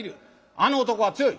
あの男は強い。